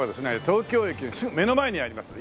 東京駅のすぐ目の前にあります